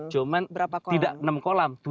cuman tidak enam kolam tujuh kolam